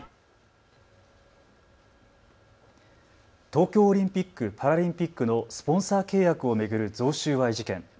東京オリンピック・パラリンピックのスポンサー契約を巡る贈収賄事件。